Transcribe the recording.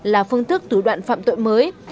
là phương thức thủ đoạn phạm tội mới